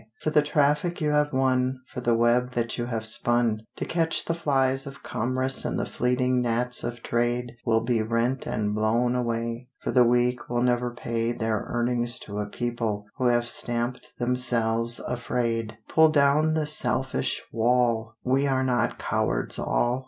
For the traffic you have won, For the web that you have spun, To catch the flies of commerce and the fleeting gnats of trade Will be rent and blown away, For the weak will never pay Their earnings to a people who have stamped themselves afraid. Pull down the selfish wall! We are not cowards all!